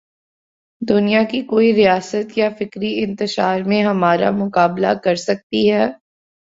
دنیا کی کوئی ریاست کیا فکری انتشار میں ہمارا مقابلہ کر سکتی ہے؟